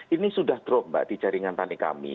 ini sudah drop mbak di jaringan tani kami